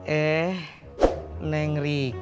eh neng rika